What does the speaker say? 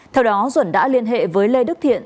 theo đó duẩn đã liên hệ với lê đức thiện